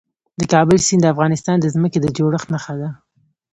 د کابل سیند د افغانستان د ځمکې د جوړښت نښه ده.